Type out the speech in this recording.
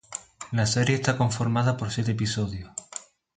La serie está conformada por siete episodios.